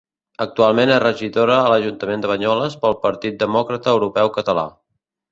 Actualment és regidora a l'Ajuntament de Banyoles pel Partit Demòcrata Europeu Català.